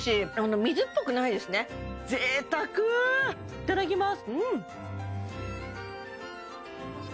いただきます